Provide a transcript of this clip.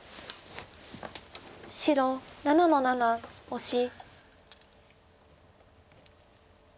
白７の七オシ。